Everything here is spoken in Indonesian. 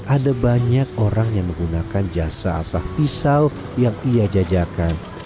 ada banyak orang yang menggunakan jasa asah pisau yang ia jajakan